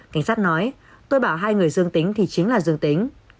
cảnh sát nói tôi bảo hai người dương tính thì chính là dương tính